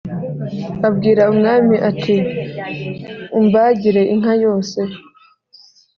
abwira umwami ati « umbagire inka yose. »